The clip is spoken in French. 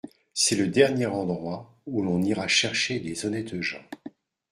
C'est le dernier endroit où l'on ira chercher des honnêtes gens.